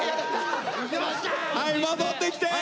はい戻ってきて！